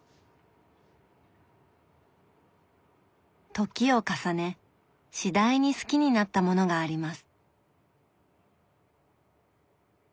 時を重ね次第に好きになったものがあります。